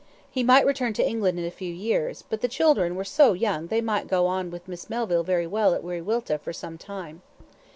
He might return to England in a few years, but the children were so young they might go on with Miss Melville very well at Wiriwilta for some time.